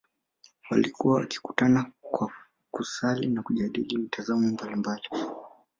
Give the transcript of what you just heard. Walikuwa wakikutana kwa kusali na kujadili mitazamo mbalimbali